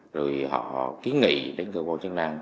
rồi họ kiến nghị đến cơ bộ chức năng